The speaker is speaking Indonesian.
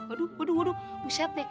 aduh aduh aduh buset nek